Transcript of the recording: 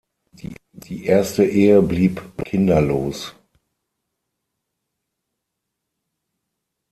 Die erste Ehe blieb kinderlos.